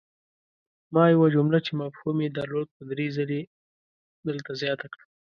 ما یوه جمله چې مفهوم ېې درلود په دري ځلې دلته زیاته کړه!